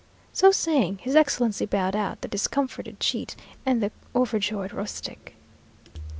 So saying, his Excellency bowed out the discomfited cheat and the overjoyed rustic.